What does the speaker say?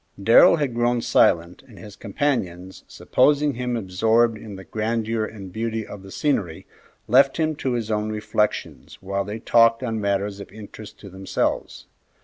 Darrell had grown silent, and his companions, supposing him absorbed in the grandeur and beauty of the scenery, left him to his own reflections while they talked on matters of interest to themselves.